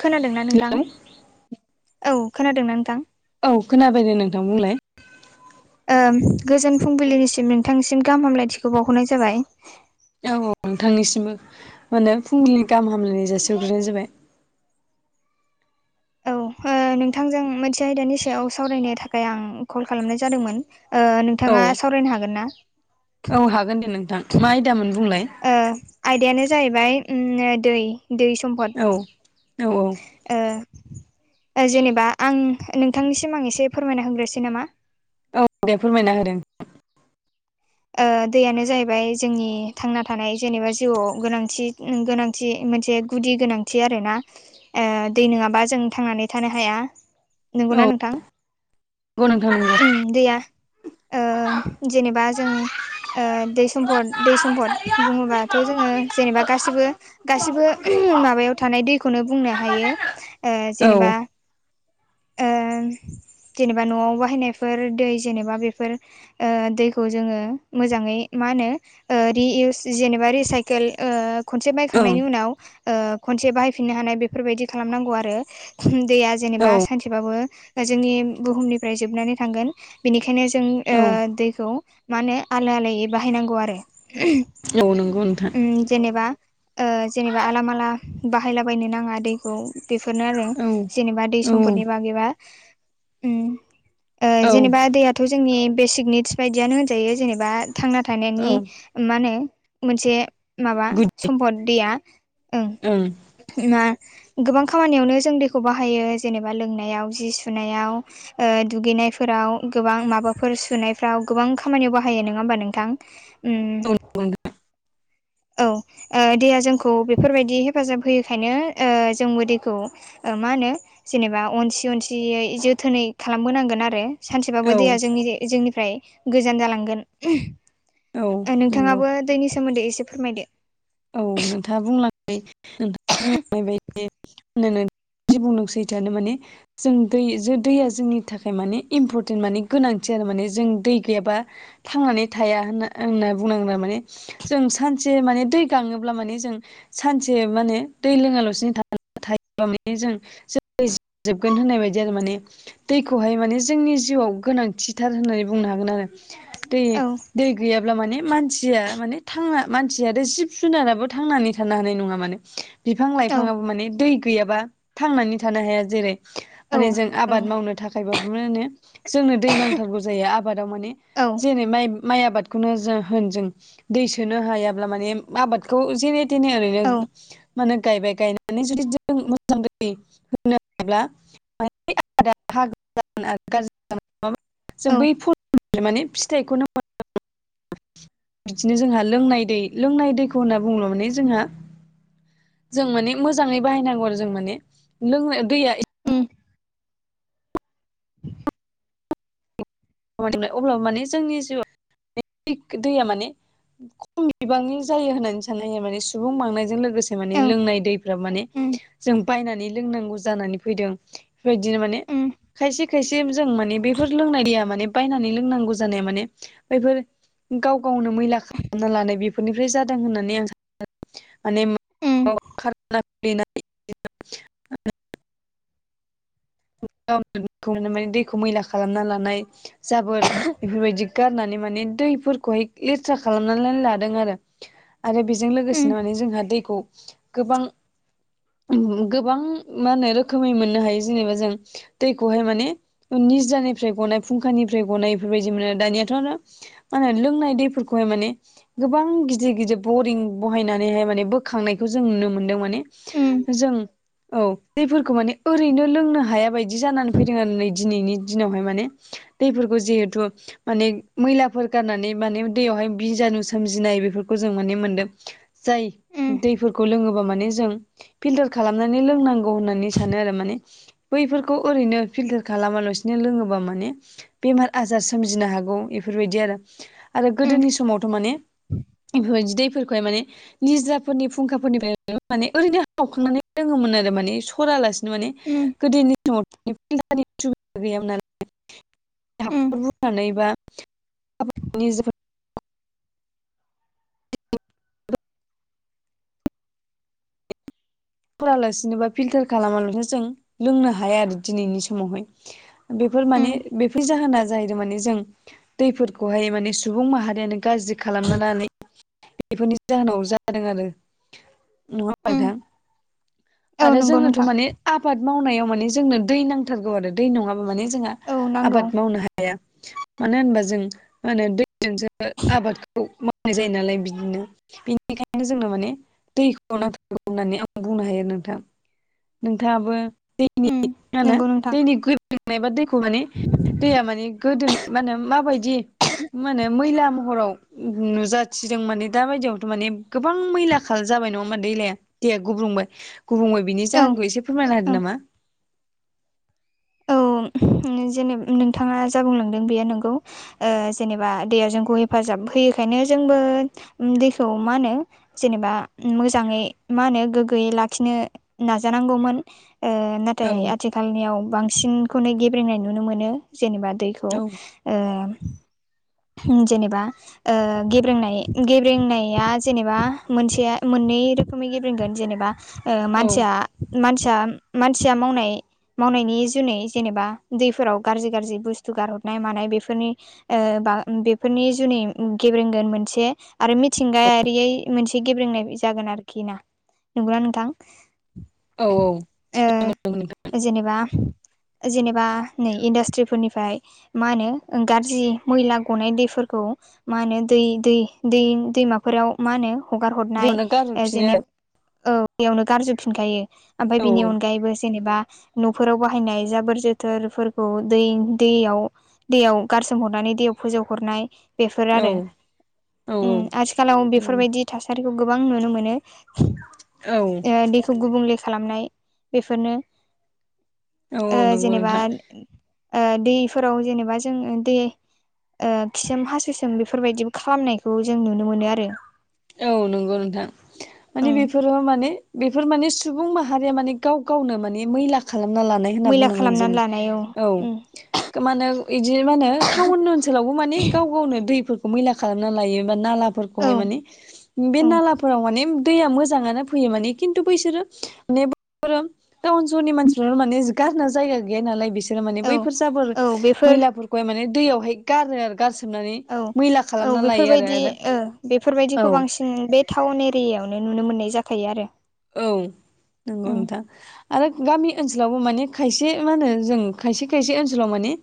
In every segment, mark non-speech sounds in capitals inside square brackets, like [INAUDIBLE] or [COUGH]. खोनादोंना नोंथां हेलौ औ खोनादोंना नोंथां औ खोनाबायदे नोंथां बुंलाय ओ गोजोन फुंबिलिनिसिम नोंथांनिसिम गाहाम हामलायथिखौ बावहरनाय जाबाय औ औ नोंथांनिसिमबो माने फुंबिलिनि गाहाम हामलायनाय जासिहरग्रोनाय जाबाय औ ओ नोंथांजों मोनसे आयदानि सायाव सावरायनो थाखाय आं कल खालामनाय जादोंमोन ओ औ नोंथाङा सावरायनो हागोन ना औ हागोन दे नोंथां मा आयदामोन बुंलाय ओ आयदायानो जाहैबाय दै दै सम्फद औ औ औ ओ जेनेबा आं नोंथांनिसिम आं एसे फोरमायना होग्रोसै नामा औ दे फोरमायना होदों ओ दैयानो जाहैबाय जोंनि थांना थानाय जेनेबा जिउआव गोनांथि गोनांथि मोनसे गुदि गोनांथि आरो ना ओ दै नङाबा जों थांनानै थानो हाया नंगौना नोंथां औ नंगौ नोंथां दैया ओ जेनेबा उम औ जों दै सम्फद दै सम्फद बुङोबाथ' जोङो जेनेबा गासिबो गासिबो माबायाव थानाय दैखौनो बुंनो हायो ओ जेनेबा [UNINTELLIGIBLE] ओ जेनेबा न'आव बाहायनायफोर दै जेनेबा बेफोर ओ दै खौ जोङो मोजाङै मा होनो ओ रिइउस जेनेबा रिसाइकेल ओ खनसे नंगौ बायखांनायनि उनाव ओ खनसे बाहायफिननो हानाय बेफोरबायदि खालामनांगौ आरो दै जेनेबा औ ओं सानसेबाबो जोंनि बुहुमनिफ्राय जोबनानै थांगोन बिनिखायनो जों औ दैखौ मा होनो आलो आलोयै बाहायनांगौ आरो औ नंगौ नोंथां उम जेनेबा ओ जेनेबा आलालामाला बाहायलाबायनो नाङा दैखौ बेफोरनो आरो औ जेनेबा दै औ सम्फदनि बागैबा उम ओ औ जेनेबा दैयाथ' जोंनि बेसिक निडस बायदियानो होनजायो जेनेबा थांना थानायनि औ मा होनो मोनसे माबा गुड दे सम्पद दैया ओं मा गोबां खामानियावनो जों दैखौ बाहायो जेनेबा लोंनायाव जि सुनायाव दुगैनायफोराव गोबां माबाफोर सुनायफ्राव गोबां खामानियाव बाहायो नङा होमबा नोंथां औ नंगौ औ दैया जोंखौ बेफोरबायदि हेफाजाब होयोखायनो जोंबो दैखौ मा होनो जेनेबा अनसि अनसियै जोथोनै खालामबोनांगोन आरो नोंथां सानसेबाबो दैया औ जोंनि जोंनिफ्राय गोजान जालांगोन औ नंगौ नोंथाङाबो दैनि सोमोन्दै एसे फोरमायदो औ नोंथाङा बुंलां नोंथां बुंलांनाय बायदि बुंदों सैथोआनो माने जों दै दैया जोंनि थाखाय माने इम्परटेन्ट माने गोनांथि आरो माने जों दै गैयाबा थांनानै थाया होनना होनना बुंनांगौ माने जों सानसे माने दै गाङोब्ला माने जों सानसे माने दै लोङालासिनो थायोब्ला माने जों जै जोबगोन होननाय बायदि आरो माने दैखौहाय माने जोंनि जिउआव गोनांथिथार होननानै बुंनो हागोन आरो दै औ दै गैयाब्ला माने मानसिया माने थाङा मानसिया आरो जिब जुनाराबो थांनानै थानो हानाय नङा माने बिफां औ लाइफाङाबो माने दै गैयाबा थांनानै थानो हाया जेरै औ माने जों औ आबाद मावनो थाखाय बाबो मा होनो जोंनो दै नांथारगौ जायो आबादाव माने औ जेरै माइ माइ आबादखौनो जों होन जों दै सोनो हायाब्ला माने आबादखौ जेन थेने ओरैनो औ मा होनो गायबाय गायनानै जुदि जों मोजां होनो हाब्ला [UNINTELLIGIBLE] आरो औ [UNINTELLIGIBLE] फुल माने फिथाइखौनो बिदिनो जोंहा लोंनाय दै लोंनाय दैखौ होनना बुङोब्ला माने जोंहा जों माने मोजाङै बाहायनांगौ आरो जों माने लोंनो दैया उम [INAUDIBLE] [UNINTELLIGIBLE] अब्लाबो माने जोंनि जिउआव दैया माने खम बिबांनि जायो होननानै सानो माने सुबुं बांनायजों लोगोसे लोगोसे माने ओं लोंनाय दैफ्रा माने उम जों बायनानै लोंनांगौ जानानै फैदों बेबायदिनो माने उम खायसे खायसे सिम जों माने बेफोर लोंनाय दैया माने बायनानै लोंनांगौ जानाया माने बेफोर गाव गावनो मैला खालामना लानाय बेफोरनिफ्राय जादों होननानै उम आं [UNINTELLIGIBLE] [INAUDIBLE] [UNINTELLIGIBLE] माने दैखौ मैला खालामना लानाय जाबोर बेफोरबायदि गारनानै माने दैफोरखौहाय लेथ्रा खालामनानै लादों आरो आरो बेजों उम लोगोसेनो माने जोंहा दैखौ गोबां गोबां मा होनो रोखोमै मोननो हायो जेनेबा जों दैखौहाय माने निज्रानिफ्राय गनाय फुंखानिफ्राय गनाय इफोरबायदि मोनो दानियाथ' आरो मा होनो लोंनाय दैफोरखौहाय माने गोबां गिदिर गिदिर बरिं बहायनानैहाय माने बोखांनायखौ जों नुनो मोन्दों माने उम जों औ दैफोरखौ माने ओरैनो लोंनो हाया बायदि जानानै फैदों आरो नै दिनैनि दिनावहाय माने दैफोरखौ जिहेथु माने मैलाफोर गारनानै माने दैयावहाय बिजानु सोमजिनाय बेफोरखौ जों माने मोनदों। जाय उम दैफोरखौ लोङोबा माने जों फिल्टार खालामनानै लोंनांगौ होननानै सानो आरो माने बैफोरखौ ओरैनो फिल्टार खालामालासिनो लोङोबा माने बेमार आजार सोमजिनो हागौ इफोरबायदि आरो। आरो उम गोदोनि समावथ' माने इफोरबायदि दैफोरखौहाय माने निज्राफोरनि फुंखाफोरनिफ्राय माने ओरैनो खावखांनानै लोङोमोन आरो माने सरालासिनो माने उम गोदोनि समाव फिल्टारनि सुबिदा गैयामोन नालाय उम हाखर बुरनानै बा [UNINTELLIGIBLE] [UNINTELLIGIBLE] सरालासिनो बा फिल्टार खालामालासेनो जों लोंनो हाया आरो दिनैनि समावहाय। बेफोर माने उम बेफोरै जाहोना जाहैदों माने जों दैफोरखौहाय माने सुबुं माहारियानो गाज्रि खालामना लानाय बेफोरनि जाहोनाव जादों आरो नङा ओमबा उम नोंथां? औ आरो नंगौ जोनोथ' नोंथां माने आबाद मावनायाव माने जोंनो दै नांथारगौ आरो दै नङाबा माने जोङा औ नांगौ आबाद मावनो हखया मानो होनबा जों मानो [UNINTELLIGIBLE] आबादखौ मावनाय जायो नालाय बिदिनो बेनिखायनो जोंनो माने दैखौ नांथारगौ होननानै आं बुंनो हायो नोंथां। नोंथाङाबो दैनि उम मा होनो नंगौ नोंथां दैनि ग्रेब्रेंनाय बा दै [UNINTELLIGIBLE] माने दैया माने गोदोनि मा होनो माबायदि मा होनो मैला महराव नुजाथिदों माने दाबायदियावथ' माने गोबां मैला खा जाबाय नङा ओमबा दैलाया दैया गुब्रुंबाय गुबुंबाय बिनि औ जाहोनखौ एसे फोरमायना होदो औ नामा औ जेने नोंथाङा जा बुंलांदों बे नोंगौ। ओ जेनेबा दैया जोंखौ हेफाजाब होयोखायनो जोंबो दैखौ मा होनो जेनेबा मोजाङै मा होनो गोग्गोयै लाखिनो नाजानांगौमोन। ओ ना औ नाथाय आथिखालनियाव बांसिनखौनो गेब्रेंनाय नुनो मोनो जेनेबा दैखौ। औ ओ जेनेबा ओ गेब्रेंनाय गेब्रेंनाया जेनेबा मोनसेया मोननै रो खोमै गेब्रेंगोन जेनेबा ओ मानसिया मानसिया मानसिया मावनाय मावनायनि जुनै जेनेबा दैफोराव गाज्रि गाज्रि बुस्थु गारहरनाय मानाय बेफोरनि ओ बा बेफोरनि जुनै गेब्रेंगोन मोनसे आरो मिथिंगायारियै मोनसे गेब्रेंनाय जागोन आरोखिना नंगौना नोंथां? औ औ [UNINTELLIGIBLE] जेनेबा जेनेबा नै इन्डासट्रिफोरनिफ्राय मा होनो गाज्रि मैला गनाय दैफोरखौ मा होनो दै दै दै दैमाफोराव मा होनो हगार हरनाय दैयावनो गारहरफिनो जेनेब औ बेयावनो गारजोबफिनखायो ओमफ्राय औ बिनि अनगायैबो जेनेबा न'फोराव बाहायनाय जाबोर जोथोरफोरखौ दै दैयाव दैयाव गारसोमहरनानै दैयाव फोजौ हरनाय बेफोर औ आरो औ आथिखालाव बेफोरबायदि थासारिखौ गोबां नुनो मोनो। औ दैखौ गुबुंले खालामनाय बेफोरनो औ नंगौ जेनेबा नोंथां दैफोराव जेनेबा जोंङो दै खिसोम हासुसोम बेफोरबायदिबो खालामनायखौ जों नुनो मोनो आरो औ नंगौ नोंथां माने ओं बेफोरो माने बेफोर माने सुबुं माहारिया माने गाव गावनो माने मैला खालामना लानाय होनना मैला बुंनांगोन जों खालामनानै लानाय औ उम मा होनो बिदि मा होनो टाउन ओनसोलावबो माने गाव गावनो दैफोरखौ मैला खालामना लायो नाला औ माने बे उम नालाफोरा दैया मोजांङैनो फैयो माने खिन्थु बैसोरो दा ओनसहरनि मानसिफ्रा' माने गारना जायगा गैया नालाय बिसोरो माने औ बैफोर जाबोर औ बेफोर मैलाफोरखौ गाय माने दैयावहाय गारो आरो गारसोबनानै औ औ बेफोरबायदि औ बेफोरबायदिखौ बांसिन बे टाउन एरियायावनो नुनो मोननाय जाखायो आरो औ नंगौ उम नोंथां आरो गामि ओनसोलावबो माने खायसे मा होनो जों खायसे खायसे ओनसोलाव माने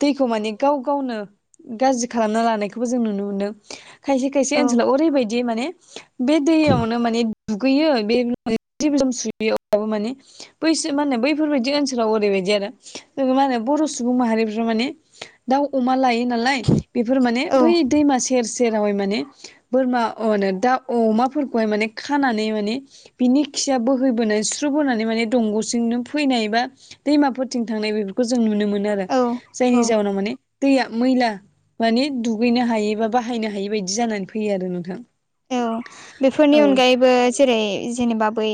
दैखौ माने गाव गावनो गाज्रि खालामना लानायखौबो जों नुनो मोनो खायसे खायसे औ ओनसोलाव ओरै बायदि माने बे दैयावनो माने दुगैयो। बे सुयो अब्लाबो माने बैसो मा होनो बैफोरबायदि ओनसोलाव ओरैबायदि आरो मा होनो बर' सुबुं माहारिफ्रा माने दाउ अमा लायो नालाय बेफोर माने औ बै दैमासे सेर सेरावहाय माने बोरमा होननो दा अमाफोरखौहाय माने खानानै माने बिनि खिया बोहैबोनाय सुस्र बोनानै माने दंग'जोंनो फैनायबा दैमाफोरथिं थांनाय बेफोरखौ जों नुनो मोनो आरो औ जायनि औ जाउनाव माने दैया मैला माने दुगैनो हायै बा बाहायनो हायै बायदि जानानै फैयो आरो नोंथां औ बेफोरनि औ अनगायैबो जेरै जेनेबा बै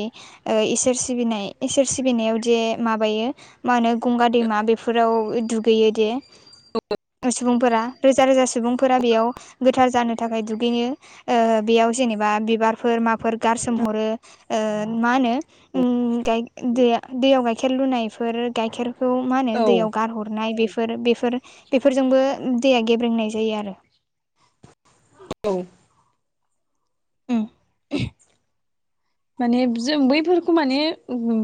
इसोर सिबिनाय इसोर सिबिनायाव जे माबायो मा होनो गंगा दैमा बेफोराव दुगैयो दे सुबुंफोरा रोजा रोजा सुबुंफोरा बेयाव गोथार जानो थाखाय दुगैयो बेयाव जेनेबा बिबारफोर माफोर गारसोमहरो मा होनो दैयाव गाइखेर लुनायफोर गाइखेर खौ मा होनो औ दैयाव गारहरनाय बेफोर बेफोर बेफोरजोंबो दैया गेब्रेंनाय जायो आरो औ औ माने जों बैफोरखौ माने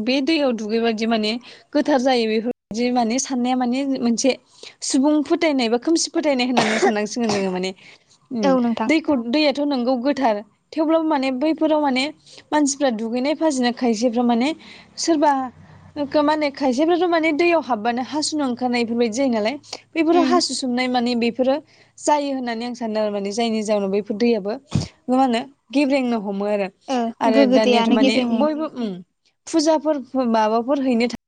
बे दैयाव दुगैबायायदि माने गोथार जायो बेफोरबायदि माने साननाया माने मोनसे सुबुं फोथायनाय बा खोमसि फोथायनाय होननानै साननांसिगोन जोंङो माने औ नोंथां दैखौ दैयाथ' नोंगौ गोथार थेवब्लाबो माने बैफोराव माने मानसिफ्रा दुगैनाय फाजिनाय खायसेफ्रा माने सोरबा माने खायसेफ्राथ' माने दैयाव हाबबानो हासुनो ओंखारनाय बेफोर बायदि जायो नालाय बेफोरो उम हासु सोमनाय माने बेफोरो जायो होननानै आं सानो आरो माने जायनि जााहोनाव बफोर दैयाबो मा होनो गेब्रेंनो हमो आरो गोगो दैयानो गेब्रेङो फुजा माबाफोर हैनो थाखाय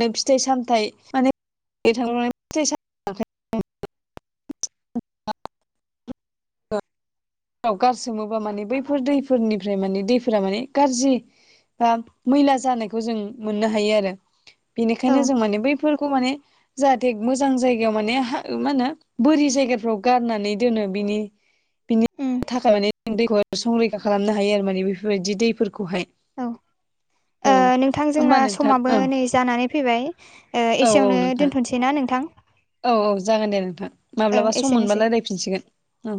नो फिथाइ सामथाय माने [UNINTELLIGIBLE] [INAUDIBLE] याव गारसोमोबा माने बैफोर दैफोरनिफ्राय माने दैफोरा माने गाज्रि बा मैला जानायखौ जों मोननो हायो आरो औ बेनिखायनो जों माने बैफोरखौ माने जाहाथे मोजां जायगायाव माने मा होनो बोरि जायगाफ्राव गारनानै दोनो बिनि बिनि उम थाखाय माने दैखौ संरैखा खालामनो हायो आरो माने बेफोरबायदि दैफोरखौहाय औ औ नोंथां जोंना होमबा नोंथां समाबो औ नै जानानै फैबाय औ औ एसेयावनो नोंथां दोनथ'सै ना नोंथां औ औ जागोन दे नोंथां ओ माब्लाबा सम मोनबा एसेनोसै रायज्लायफिनसिगोन औ